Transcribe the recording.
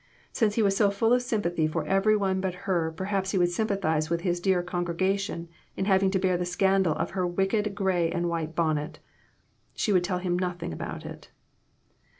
Since he was so full of sympathy for every one but her perhaps he would sympathize with his dear congregation in having to bear the scandal of her wicked gray and white bonnet. She would tell him nothing about it.